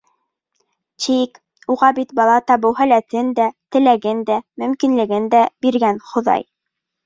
Тик... уға бит бала табыу һәләтен лә, теләген лә, мөмкинлеген дә биргән Хоҙай.